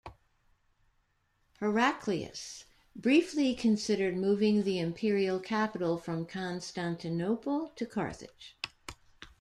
Heraclius briefly considered moving the imperial capital from Constantinople to Carthage.